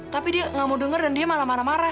tapi dia nggak mau denger dan dia malah marah marah